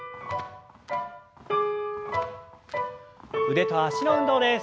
腕と脚の運動です。